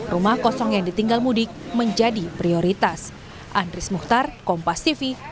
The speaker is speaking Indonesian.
rumah kosong yang ditinggal mudik menjadi prioritas